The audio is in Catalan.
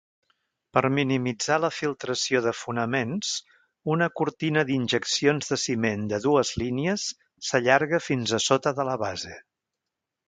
Per minimitzar la filtració de fonaments, una cortina d'injeccions de ciment de dues línies s'allarga fins a sota de la base.